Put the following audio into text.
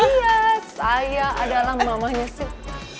iya saya adalah mamanya sih